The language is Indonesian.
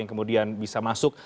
yang kemudian bisa masuk